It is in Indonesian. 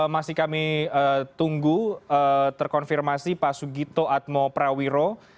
masih kami tunggu terkonfirmasi pak sugito atmo prawiro